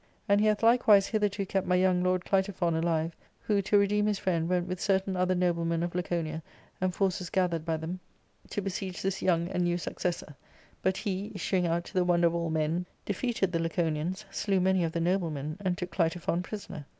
"And he hath likewise hitherto kept my young lord Clitophon alive, who, to redeem his friend, went with certain other noblemen of Laconia, and forces gathered by them, to besiege this young and new successor ; but he, issuing out, to the wonder of all men, defeated the Laconians, slew y many of the noblemen, and took Clitophon prisoner.